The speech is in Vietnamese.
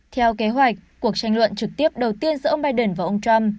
theo kế hoạch cuộc tranh luận trực tiếp đầu tiên giữa ông biden và ông trump